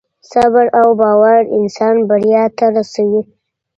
صبر او باور انسان بریا ته رسوي.